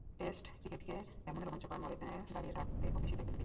Test ক্রিকেটকে এমন রোমাঞ্চের মোড়ে দাঁড়িয়ে থাকতে খুব বেশি দেখেননি তিনি।